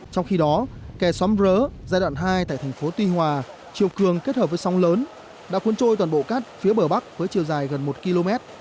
trong khi đó kè xóm rỡ giai đoạn hai tại thành phố tuy hòa chiều cường kết hợp với sóng lớn đã cuốn trôi toàn bộ cát phía bờ bắc với chiều dài gần một km